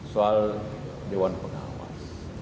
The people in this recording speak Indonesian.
soal dewan pengawas